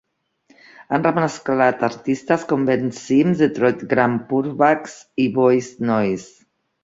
Han remesclat artistes com Ben Sims, Detroit Grand Pubahs i Boys Noize.